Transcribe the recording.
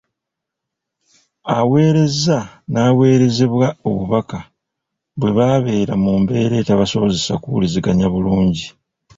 Aweereza n’aweerezebwa obubaka bwe babeera mu mbeera etabasobozesa kuwuliziganya bulungi.